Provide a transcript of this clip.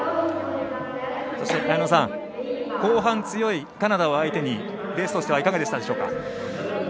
そして綾乃さん後半に強いカナダを相手にレースとしてはいかがでしたでしょうか。